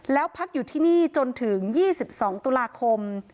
แล้วพักอยู่ที่นี่จนถึง๒๒ตุลาคม